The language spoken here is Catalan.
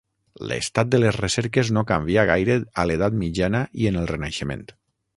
L'estat de les recerques no canvià gaire a l'edat mitjana i en el Renaixement.